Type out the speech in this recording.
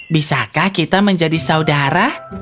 bisakah kita menjadi saudara